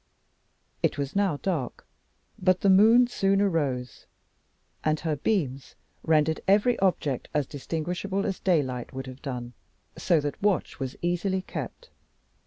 It was now dark, but the moon soon arose, and her beams rendered every object as distinguishable as daylight would have done, so that watch was easily kept.